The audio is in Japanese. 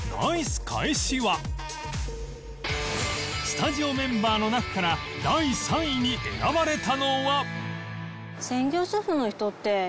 スタジオメンバーの中から第３位に選ばれたのは